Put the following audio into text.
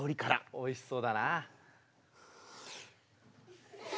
おいしそうだな。